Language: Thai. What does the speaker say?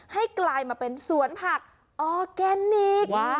กลายมาเป็นสวนผักออร์แกนิค